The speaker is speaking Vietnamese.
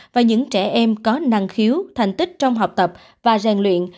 và những trẻ em có năng khiếu thành tích trong học tập và rèn luyện